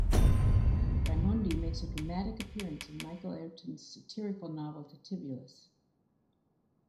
Raimondi makes a dramatic appearance in Michael Ayrton's satirical novel "Tittivulus".